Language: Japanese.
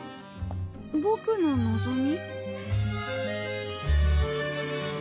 ぼくの望み？